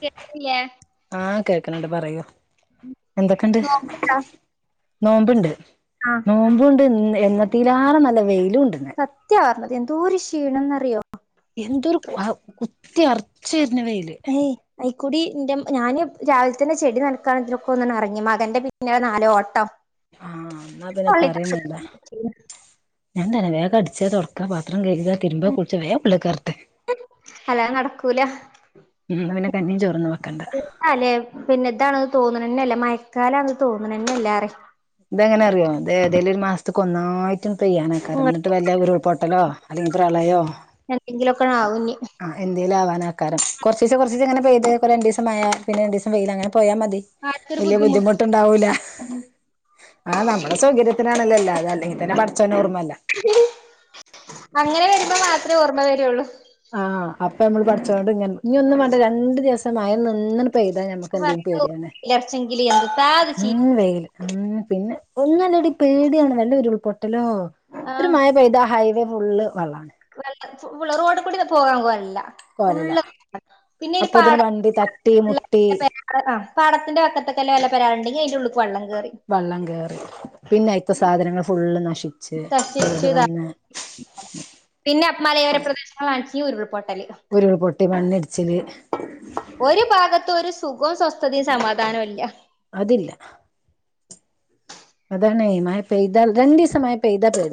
കേൾക്കുന്നില്ലേ ണ്ട് പറയോ എന്തൊക്കെണ്ട് നോമ്പ്ണ്ടാ നോമ്പുണ്ട് ആഹ് നോമ്പുണ്ട് എന്നത്തിലാര നല്ല വെ സത്യ പറഞ്ഞത് എന്തോ ഒരു ക്ഷീണം ന്നറിയോ എന്തൊരു കുത്തി അറച്ച വരുന്ന വെയില് കൂടി ഞാന് രാവിലെ തന്നെ ചെടി ന നടക്കാതിനൊക്കെ ഒന്ന ഇറങ്ങി മകന്റെ പിന്നെട് നാലോ ഓട്ടം ആഹ് എന്നാ കള [unintelligible] ഞാ തന്നെ വേഗ അടിച്ചേ തൊടക്കാ പത്രം കഴിക്ക തിരുമ്പ കുളിച്ച വേ ഉള്ളികേറേറ്റ് അല്ലാതെ നടക്കൂല എന്നാ പിന്ന കന്നും ചറു എതല്ലേ പിന്നെതാണത് തോന്നണ തന്നെയ അല്ല മയക്കാലാണത് തോന്നണ തന്നെയ അല്ല അറ ഇതെങ്ങനെ അറിയോ അതെ അതേല ഒരു മാസത്തക്ക ഒന്നായി റ്റും പെയ്യാനക്കാര എന്നിട്ട് ഇങ്ങട്ട് വല്ല ഉരുൾപൊട്ടലോ അല്ലെങ്കിൽ പ്രളയോ എങ്കിലൊക്കെ ആവന് ആക്കാരം കുറ ദിവസ കുറചീസം പെയ്ത അങ്ങനെെയ്ത് രണ്ട് ദിവസമായ പിന്നെ രണ്ട് ദസം വെയിൽ അങ്ങനെ പോയാ മതി ആർക്കൊരു വല്യ ബുദ്ധിമുട്ട് ബുദ്ധിമുട്ടുണ്ടാവൂല ആഹ് നമ്മളെ സൗകര്യത്തിനാണല്ലോ അല്ലാതെ അല്ലെങ്കി തന്നെ പടച്ചോന ഓർമ്മയില്ല അങ്ങനെ വരുമ്പോ മാത്ര ഓർമ്മ വരുള്ളൂ ആഹ് അപ്പൊ നമ്മള് പടച്ചോനോട് ഇങ്ങ ഇനി ഒന്നും വേണ്ട രണ്ടു ദിവസം മയൊന്ന് നിന്ന് പെയ്താ ഞമ്മക്ക് പറ എന്തും പേടിയണ് ഇലർച്ചെങ്കില് എന്ത്ത്താ അത് ചെയ്യ ഉം വെയിൽ ഉം പിന്നെ ഒന്നല്ലടി പേടിയാണ് വല്ല ഉരുൾപൊട്ടലോ ഒരു ആഹ് മയ പെയ്താ ഹൈവേ ഫുള്ള് വള്ളാണ് റോഡി കൂടി പോകാൻ പാടില്ല കോലല്ല ഫുള്ള് പിന്നെരു പാട അപ്പോത്തിന് വണ്ടി തട്ടി മുട്ടി [unintelligible] ആഹ് പടത്തിന്റെ വക്കത്തൊക്കെല്ല വല്ല ഗ്രൗണ്ട്ണ്ടി അതിന്റെ ഉള്ളക്ക് വള്ളം വെള്ളം കേറി പിന്നെ ഇപ്പോ സാധനങ്ങൾ ഫുള്ള് നശിച്ച് കേടു നശിച്ചുതാ വന്ന് പിന്നെ മാലയോര പ്രദേശങ്ങൾ [unintelligible] ഉരുൾപൊട്ടല് ച്ച്ന് ഒരു ഭാഗത്തു ഒരു സുഖവും സ്വസ്ഥതയും സമാധാനൊവില്ല [inaudible] അതില്ല അതാണ് മയ പെയ്താ രണ്ട് ദിവസം മയ പെയ്താ തി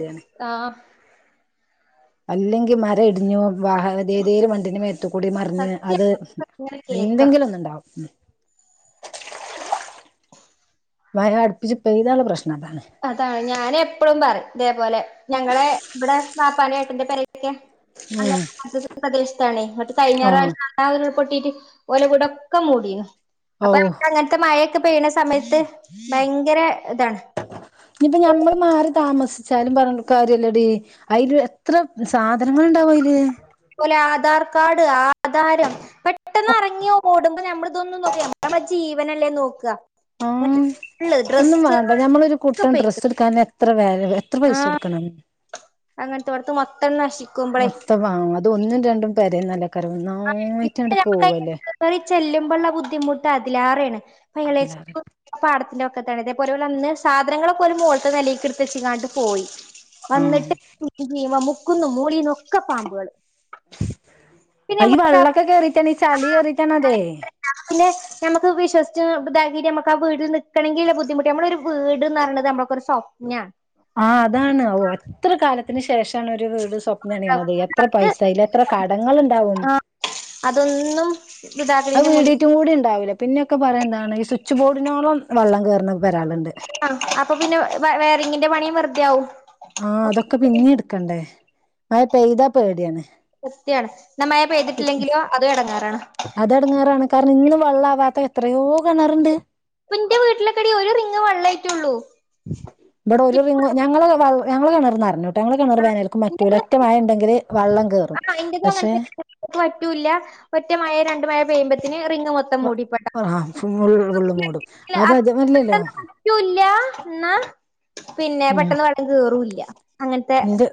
ആഹ് അല്ലെങ്കിൽ മരം ഇടിഞ്ഞു വഹാവ് വിധിയിൽ വണ്ടിന് മേ ത്തുകൂടി മറിഞ്ഞ് സത്യം അത് ഇങ്ങനെ കേക്കാം എന്തെങ്കിലും ഒന്ന് ഉണ്ടാവും മയ അടുപ്പിച്ച് പെയ്താള്ള പ്രശ് അതാണ് ഞാന് എപ്പഴും പറയും അതേപോലെ ഞങ്ങളെ ഇവിടെ കാപ്പാന ഏട്ടന്റെ പേരെക്കെ ഉം നല്ല പ്രദേശത്തണെ മറ്റെ കഴിഞ്ഞാറാ ആഹ് പൊട്ടിട്ട് ഓല വിടോകക്കെ മൂടിന് ഓ അപ്പൊങ്ങനത്തെ മഴയോ ക്കെ പെയ്യണ സമയത്ത് ഭയങ്കര ഇതാണ് ഇനിപ്പ ഞമ്മൾ മാറി താമസി ച്ചലും പറഞ്ഞ കാര്യല്ലോടി അതില് എത്ര സാധനങ്ങൾ ഉണ്ടാവും അതില് പോലെ ആധാർ കാർഡ് ആ ആധാരം പെട്ടെന്ന് ഇറങ്ങി ഓടുമ്പോ നമ്മൾ ഇതൊന്നും നോ നമ്മൾ നമ്മ ജീവനല്ലേ നോക്കുക ആഹ് ഒന്നും വേണ്ട ഡ്രസ്സുകൾ ഞമ്മളൊരു ഒക്കെ കുട്ടൻ ഡ്രസ്സ് പോയിക്കും എടുക്കൻ എത്ര വേ എത്ര ആ പൈസ കൊടുക്കണം അങ്ങനത്തെ ഇവിടുത്ത് മൊത്തം നശി മൊത്തംവ അത് ഒന്നും രണ്ടും പേരേം നല്ല കരാവു പിന്നെ നന്നായിട്ടങ്ങുട്ട് കേറി ചെല്ലുമ്പോള്ള ബുദ്ധിമുട്ട് അതിലേറാണ് അതിലേറെ [unintelligible] പാടത്തിലോ ഇതേപോലെന്നന്ന് സാധനങ്ങളൊക്കെ ഒരു മോളിത്തെ നിലക്കെടുത്തച്ചങ്ങാട്ട് പോയി വന്നിട്ട് ആഹ് [unintelligible] മുക്കുനും മൂളീനും ഒക്കെ പാമ്പുകൾ അ ഈ വെള്ളൊക്കെ കേറിട്ടന്ന് ഈ ചളി കേറിട്ടാണ് അതെ നമുക്ക് വിശ്വസിച്ച് ഇതെക്കിട്ട് നമുക്ക് ആ വീടിൽ നിക്കണെങ്കിള്ള ബുധിമുട്ട് നമ്മള ഒരു വീട്ന്ന് പറഞ്ഞത് നമ്മൊക്കൊരു സ്വപ് നാ അതിനു ശേഷണ് ഒരു വീട് അത് സ്വപ്നണിയണത് എത്ര പൈസ അയാലും എത്ര കടങ്ങളുണ്ടാവും ആഹ് അതൊന്നും ആ ഇതാക്കണീന്റെ മുന്നേ വീടീട്ടും കൂടി ഉണ്ടാവില്ല പിന്നെക്കെ പറയണ എന്താണ് ഈ സ്വി ച്ചുബോഡിനോളം വെള്ളം കയറുന്നാ വരാളുണ്ട് ആഹ് അപ്പൊ പിന്നെ വയറിങ്ങിന്റെ പണിയും വെറുതെ ആവും ആഹ് അതൊക്കെ പിന്നെ എടുക്കണ്ടേ മയ പെയ്താ പേടിയാണ് പേടിയാണ് ന മയ പെയ്തിട്ടില്ലെങ്കിലോ അതു ഇടങ്ങേറാണ് അതെടങ്ങേറാണ് കാരണം ഇന്നും വെള്ളാവാത്ത എത്രയോ കിണറുണ്ട് ഇന്റെ വീട്ടിലക്കെടി ഒരു റിങ്ങ് വെള്ള ആയിട്ടേള്ളൂ ഇവിടെ ഒരു റിങ് ഞങ്ങളെ ഞങ്ങളെ കിണർ നിറഞ്ഞു ഞങ്ങൾ കിണർ വേനൽക്കും മറ്റ ഒറ്റ മഴ ഉണ്ടെങ്കിൽ വള്ള ആഹ് ഇന്റെതുംഅങ്ങനത്തെക്ക് പറ്റൂല്ല ഒറ്റ മഴ രണ്ടു മഴ പെയ്യുമ്പത്തിന് പിന്നെമൊത്തം മൂടിപ്പെട്ട ആഹ് ഫുൾ ഫുള്ള് മൂടും അവസ്ഥ അപ്പൊ അതല്ലല്ലോ അത്രന്ന പറ്റു ലാഎന്നാ പിന്നെ പെട്ടെന്ന് കേറുംല്ല ന്റത്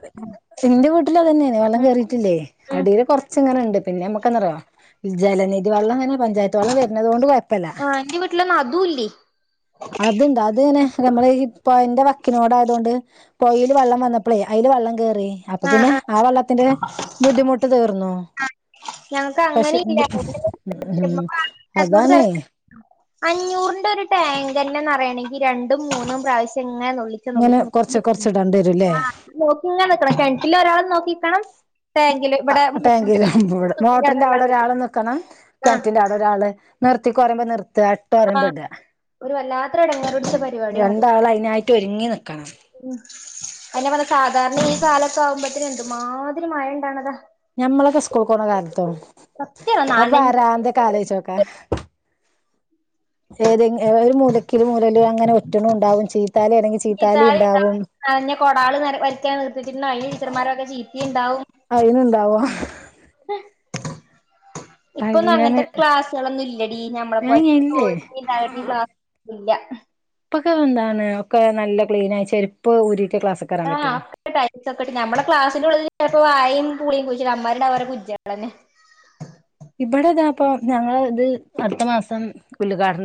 ന്റെ വിട് വിടില് അത്തന്നെയന്നെ വെള്ളം ഉം കേയറിയിട്ടില്ലേ ഉം അടിൽ കൊറച്ച് ഇങ്ങനെുണ്ട് പിന്നെ നമ്മുക്കന്താറിയോ ജലനിധി വെള്ളം തന്നെ പഞ്ചായത്ത് വെള്ളം വരുന്നത് കൊണ്ട് കൊഴപ്പ ആഹ എന്റവിട്ടില് അതും ല്ലോ അത്ണ്ട് അത്ങ്ങനെ നമ്മള് ഇപ്പ എന്റെ പൊയി ന്റെവക്കിനോട് ആയതുകൊണ്ട് പൊയിൽ വെള്ളം വന്നപ്പോ അപ്പള്അതില് വെള്ളം കേറി അപ്പൊ ആഹ് പിന്നെ ആഹ് ആ വെള്ളത്തിന്റെ ബുദ്ധിമുട്ട് തീർന്നു ഞങ്ങക്ക് പക്ഷെ അങ്ങനെ ഇല്ല ഇത് എന്റെ വിട് ഉം അതാണേ [unintelligible] അഞ്ഞൂറിന്റെ ഒരു ടാങ്ക് ടാങ്കിന്നെ നിറയണെങ്കിൽ രണ്ടും മൂന്നും പ്രാവശ്യ ഇ ഇങ്ങ നെനോക്കിങ്ങ ഇങ്ങനെ കൊറച്ച് കൊറച്ച് ഇടേണ്ടി വരൂല്ലേ നെ നിൽക്കണംകിണ ഒരാൾ നോക്കിക്കണം ടാങ്കിലും ഇവിടെ മോട്ടർ ഇടെ മോട്ടറിന്റെ അവിടെ ഒരാൾ മോട്ട റിന്റെ അവിടെ ഓരൾ നിൽക്കണം ആഹ് കണറ്റിന്റെ അവിടെ ഒരാൾ നിർത്തി കുറയമ്പ്പോ നിർത്തി ഇട്ടോ പറമ്പോ ആഹ് ഇടാ ഒരു വല്ലാത്ത ഇടങ്ങാർപിടിച്ച പരിപാടിയാണ്അത് രണ്ടാള് അതിനായിട്ട് ഒരുങ്ങി നിക്കണം ഉ അതനെപറഞ്ഞ സാധാരണ ഈ കാലൊക്കെ ആകുമ്പോത്തന് എന്തുമാതിരി മഴ ഉണ്ടാണതാ ഞമ്മളൊക്കെ സ്കൂൾ പോണ കാലത്തോ സത്യാണ് നനഞ്ഞ് ആവരാന്ത കാലേച്ചോക്കെ ഏതെ ഒരു മൂല ഒി മൂലെല്അങ്ങനെ ഒറ്റണ ഉണ്ടാവും ചീത്താല ആണെങ്കിൽ ചീത്താല ചീത്താളി ഉണ്ടാവും നനഞ്ഞ കൊടാള് നര വരയ്ക്കാൻ പിന്നെ അയ്ന് ടിച്ചർമാരെ വകചീത്തി ഉണ്ടാവും അയിനുണ്ടാവോ [unintelligible] ഇപ്പൊന്നും അങ്ങനെ അങ്ങനത്തെ ക്ലാസ്സുകളൊന്നും ഇല്ലടി ഞമ്മള ഏ ഇല്ലേ പോലത്തെ ക്ലാസ് ഇല്ല ഇപ്പൊക്കെ എന്താണ് ഒക്കെ നല്ല ക്ലീൻയച്ച ആ് ഒക്കെട്ട ടെയ്‌ലി സ് ഒക്കൊക്കെട്ട ഞമ്മെ ക്ലാസ്സിന്റെള്ള ഇപ്പൊ വായയും പുളിയും കൊയിച്ചിട്ട അമമാരുടെ അവരെ കുജ്ടന്നെ ഇവിടെതാപ്പോഞങ്ങൾ ഇത് അടുത്ത മാസം ഉൽഘാടനം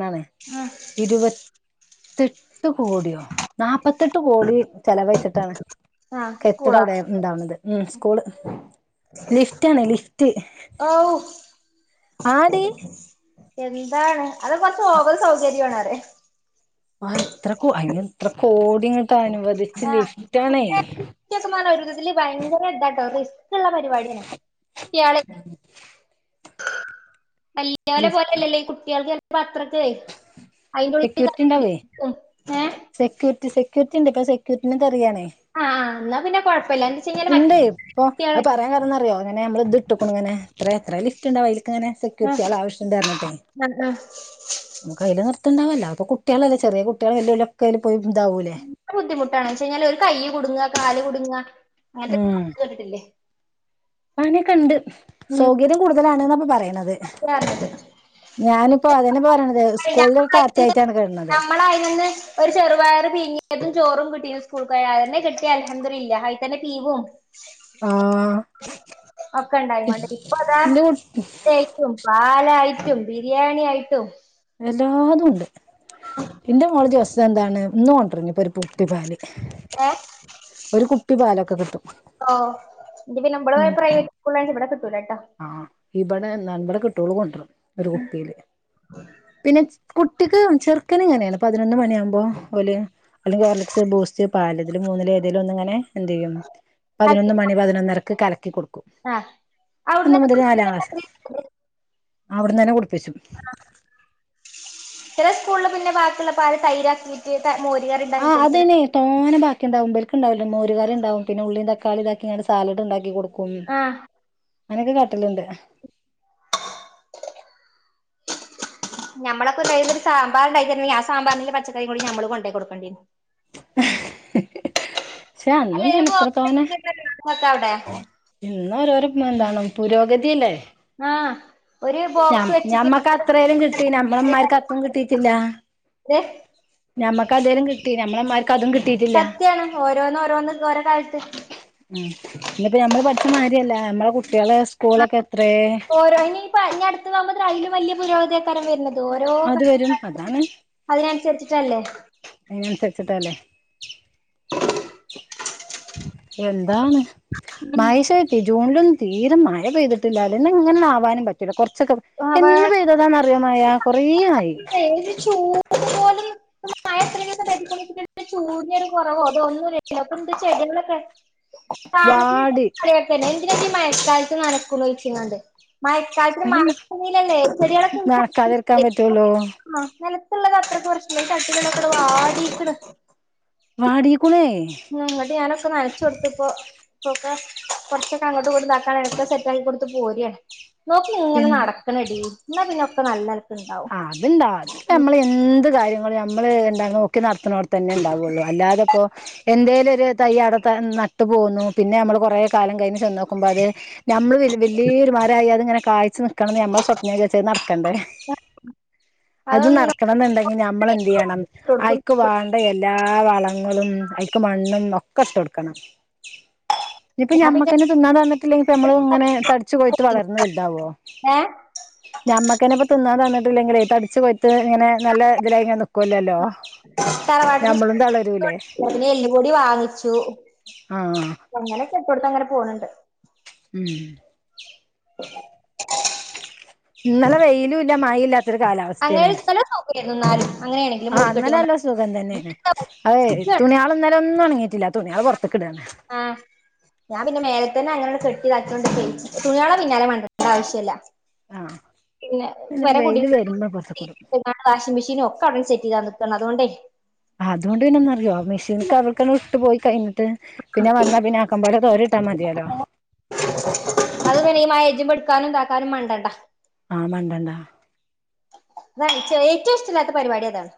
ഉം നാണ്ഇരുപത്തിയെട്ട് പത്ത് കോടിയോ നാൽപ്പത്തെട്ട് കോടി ചെലവഴിച്ചിട്ടാണ് ആഹ് സ്കൂളാ കെടിട്ടംഅവിടെ ഉണ്ടാവണത് ഉ സ്കൂള് ലിഫ്റ്റ് ആണ്ലിഫ്റ്റ് ഔ എന്താണ് അത് കൊറച്ച് ഓവർസൗകര്യയാണ് ആ എത്ര കോ അയിന് എത്ര കോടി ഇങ്ങോട്ട് അനുവദിച്ച ലിഫ്റ്റ് ആണേ ഇതില് ഭയങ്കര ഇതാട്ടോ റിസ്ക് ഉള്ള പരിപാടിയാണ് കുട്ടിയാള് വല്ലിയ ലിഫ് പോലെയല്ലല്ലേ ഈ കുട്ടികൾക്ക് തെ പത്രൊക്ക സെക്യൂരിറ്റി ഉണ്ടാവേ സെക്യൂരിറ്റി സെക്യൂരിറ്റി ഉണ്ട് ഇപ്പൊ സെക്യൂരിറ്റിന്ന് തറിയണേ ആഹ എന്നാ പിന്നെ കൊഴപ്പില്ല ഉണ്ട്ഇപ്പോ അത് പറയാൻ കരണന്നറിയോ അങ്ങനെ നമ്മള് ഇത് ഇട്ടക്കും ഇങ്ങനെ എത്ര എത്ര ലിഫ്റ്റ് ഉണ്ടാവ അതില്ക്ക് ഇങ്ങനെെ ഇങ്ങനെ കി ത്യളെആവശ്യം ഉണ്ട് പറഞ്ഞിട്ട് ആ ആ നമുക്ക് അയ്ൽ നിർത്തുണ്ടാവോ അപ്പൊ കുട്ടികളല്ലെ ചെറിയ കുട്ടികളെ വല്ലക്കെും എ ബുദ്ധിമുട്ടാണ് വെച്ച കഴിഞ്ഞാല് ഒരു കൈ കുടുങ്ങാകാല് കുടുങ്ങാ അങ്ങനത്തെ കുട്ട് കണ്ട്ട്ടിലൊ അങ്ങനെ കണ്ട് സൗകര്യം കൂടുതലാണ്ന്നപ്പൊ പറയണത് അത്ര അറിഞ്ഞത് ഞാനിപ്പോ അതെ പോരാണ് ഞമ്മന്ന് നമ്മളയി നിന്ന് ഒരു ചെറുപയർ പിങ്ങ [unintelligible] ആഹ [unintelligible] ട്ടും ബിരിയാണി ആയിട്ടും [unintelligible] കുപ്പി പാല് ഏ ഒരു കുപ്പി പാലൊക്കെ കിട്ടും. ഉം ആഹ് [unintelligible] ഇവിടെ നവിടെ കിട്ട്യാള് കൊണ്ടും ഒരു കുപ്പിയില് പിന്നെ ച് കുട്ടിക്ക് ചെറുക്കൻ ഇങ്ങനെയാണ് പതിനൊന്ന് മണിയകുമ്പോ ഓല് ഹോർലിക്സ്, ബൂസ്റ്റ്‌, പാൽ ഇതിൽ മൂന്നിൽ എതേലും ഒന്നിങ്ങനെ എന്തേയ്യും പതിനൊന്നു മണി പതിനൊന്നര [unintelligible] ആ അവിടുന്ന് അവിടന്ന് തന്നെ കുടിപ്പിച്ചും ചില സ്കൂളിൽ പിന്നെ ബാക്കിയുള്ള പാല് തൈരാാക്കിയിട്ട് അത്അയ്‌ന് തോനെ ബാ ഉണ്ടാവും, ബാൽക്കുണ്ടാവൂല മോരുകറിണ്ടാകും, പിന്നെ ഉള്ളീംതക്കാളി ദാക്കിക്കാണ്ട് സാലഡ് ണ്ടാക്കി ക്കൊടു ആഹ അനൊക്കെ കാട്ട ലുണ്ട് [unintelligible] ഹ് ഹ് ഹ് പക്ഷെ അന്നും അല്ലെ ഒരു തന്നെ എത്രതോനെ ബോക്സ് അവിടെ ഇന്ന രോരോ എന്താണ്, പുരോഗതി അല്ലേ. ആ ഒരു ബോക്സ് വെച്ചിട്ട് ഞഞമ്മക്ക് അത്രേലും കിട്ടീലെ ഞമ്മളമ്മാർക്ക് അത്തും കിട്ടീറ്റില്ലാ [unintelligible] ഞമ്മക്ക് അതേലം കിട്ടി നമ്മളെമ്മാർ സത്യാണ് ഓരോന്ന് ഓരോന്ന് ഓരോ കാൽത്ത് മ് ഇന്നപ്പ ഞമ്മള് പഠിച്ച മാാര്യല്ല നമ്മളെകുട് ആ ഓരോ ഇനി അ അടുത്ത് പോുമ്പ അും വലിയ പുരോഗതി അത് വരും അതാണ് [unintelligible] ചട്ട്ല്ലേ എന്താണ് മായശത്തി ജൂണിലൊന്നും തീരെം മഴ പെയ്തിട്ട് [unintelligible] ച്ചക്കെ എന്ന് അവ- പെയ്തതാന്ന് അറിയോ മഴ കൊറെ ആയി ഏത് ചൂട് പോലും [unintelligible] [unintelligible] വാടി [unintelligible] അതിന് നനക്കാതിരിക്കാൻ പറ്റുള്ളൂ [unintelligible] [unintelligible] [unintelligible] ഉംഗട്ട് ഞാനൊക്കെ നനച്ചോടത്തിപ്പോ ഇപ്പൊക്കെ കുറച്ചൊക്കെ അങ്ങോട്ട് കൊൂതാക്കാാണ് ഒക്കെ സെറ്റ ആാക്കി കൊടുത്ത് പോരാണ്. നോക്കി ഇങ്ങനെ എന്ത് നടക്കണഡീ എന്നാ പിന്നെ ഒക്കെ നല്ലനെൽ ആ അത്ണ്ടാ അത്പ്പമ്മളെന്ത്‌ കാര്യങ്ങളും ഞമ്മള് എന്താ നോക്കി നടത് -ണോട്ത്തന്നെ ഉണ്ടാവുള്ളൂ അല്ലാതെപ്പോ എന്തേലും ഒരു തയ്യ അട നട്ട് പോകുന്നു പിന്നെ നമ്മൾ കുറേ കാലം കഴിഞ്ഞ് ചെന്ന് നോക്കുമ്പോ അത് മ്മള് വലിയൊരുമാരായി അത് ഇങ്ങനെ കായ്ച്ചച്ച് നിക്കണംന്ന് ഞമ്മളെ സ്വപ്നജാരിച്ചു അത് നടക്കണ്ടേ. [inaudible] അത് നടക്കണം എന്നുണ്ടെങ്കി ഞമ്മൾ എന്ത് ചെയ്യണം അയക്കു വാണ്ട എല്ലാ വളങ്ങളും അയ് ക്ക് മണ്ണും ഒക്കെ ഇട്ട് കൊടുക്കണം. ഇനിയിപ്പ ഞാൻ ഞമ്മക്ക്ന്നെ തിന്നാൻ വന്നിട്ടില്ലെങ്കിപ്പ നമ്മള് ഇങ്ങനെ തടിച്ചു കൊയിത്ത് പിന്നെ വളർന്ന വലുതാവോ? ഏ ഞമ്മക്കെന്നേ തിന്നാൻ തന്നിട്ടില്ലെങ്ക തടി ച്ച്കൊഴുത്ത് ഇങ്ങനെ നല്ല ഇതിലായി ക്കൂല്ലല്ലോ തറവാട്ടന്ന് [inaudible] എല്ലുപൂടി വാങ്ങിച്ചു ആഹ് അങ്ങനെക്കെ ഇട്ടടുത്ത് അങ്ങനെ പോണണ്ട് ഉം [inaudible] ഇന്നലെ വെയിലും ഇല്ല മഴ ഇല്ലാത്തരു കാലാവസ്ഥേനോ എന്നുന്നാലും ആ അന്നലല്ല സുഖം തന്നെയ അതെ തുണിയൾ ഇന്നലെ ഒന്നും അണങ്ങിട്ട ഇല്ലാ തുണിയാള് പോർത്ത്ക്കടാണ് ആ ഞാൻ പിന്നെ മേല തന്നെ അങ്ങനെയ കെട്ടിതാക്കൊണ്ട് തുണികളെ പിന്നാലെ മണ്ടേണ്ട ആവശ്യല്ല ആ പിന്നെ പെരകുടി [inaudible] വാഷിംഗ് മെഷീന ഒക്കെവിടടെ സെറ്റ് ചെയതട്ടും അതുകൊണ്ടേ അതുകൊണ്ട് പിന്നെന്ന അറിയോ മെഷീനെ അവർക്കന്നെട്ട് പോയി കയ് ട്ട് പിന്നെ വന്നാ പിന്നെ ആക്കമ്പോലെ തോരിട്ടാ മതിയാലോ തക്കാനും താക്കാനുംമണ്ടണ്ടാ ആ മണ്ടണ്ട അത ഏറ്റവും ഇഷ്ടല്ലാത്ത പരിപാടി അതാണ്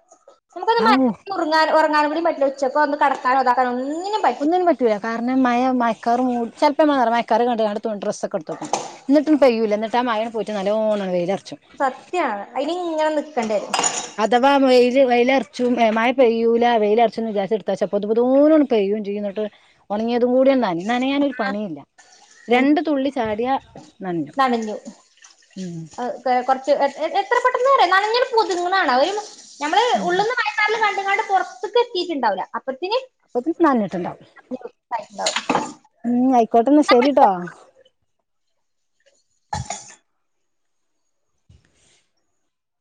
ഔ നമുക്കന്ന് ഉ ഉർങ്ങാൻ ഉർങ്ങാനൂടി പറ്റില്ല ഉച്ചക്കൊ ഒന്ന് കടക്കാനോ താക്കനോ ഒന്ന് ഒന്നിനും പറ്റൂല കാരണം മയ മയക്കാർ മൂ ചെ ഇറ മയക്കറി കണ്ട്ട ഡ്രസ് ഒക്കെ എടുത്തെക്ക എന്നിട്ട പെയ്യൂല്ല എന്നിട്ട് ആമഴ പോയിട്ട് നല്ലോണം വെയില സത്യാണ് അയ്നിഇങ്ങനെ നിക്കണ്ടെരും അഥവാ വെയിൽ വെയിലൽ അർ ച്ചും മഴ പെയ്യൂല വെയില അർച്ച വിജാര്ച്ച എടുത്താച്ച പൊതുപതൂനണ് പെയ്യ യും ചെയ്യട്ട് ഉണങ്ങിയതും കൂടിം ന്ന നയാനൊ ഒരു പണിയില്ല എന്ത് രണ്ടു തുള്ളി ചാടിയ നഞ്ഞു നനഞ്ഞു കുറച്ച് എത്ര പെട്ടെന്ന നനഞ്ഞട്ട് പോതിഞ്ഞ്ണണാ അവര് ഉം രണ്ടങ്ങാണ്ട് പുർത്ത്ക്ക് എത്തിണ്ടാവില്ല അ അപ്പൊ ഇ നൻഞ്ഞിട്ടുണ്ടാവും ഇ [unintelligible] ആയിക്കോട്ടെന്ന ശെരിട്ടോ